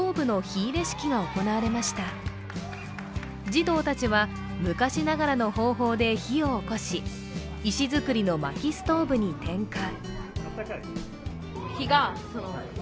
児童たちは、昔ながらの方法で火を起こし、石造りのまきストーブに点火。